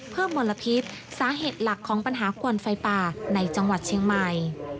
มลพิษสาเหตุหลักของปัญหาควันไฟป่าในจังหวัดเชียงใหม่